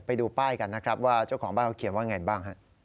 ไปดูป้ายกันนะครับว่าเจ้าของบ้านเขาเขียนว่าไงบ้างฮะ